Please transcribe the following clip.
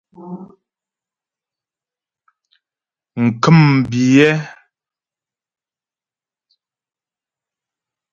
Ŋkə̂mbiyɛ́.